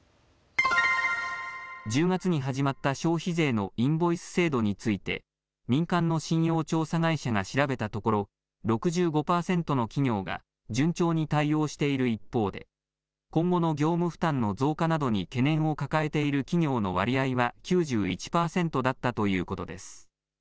１０月に始まった消費税のインボイス制度について民間の信用調査会社が調べたところ６５％の企業が順調に対応している一方で今後の業務負担の増加などに懸念を抱えている企業の割合は９１％だったということです。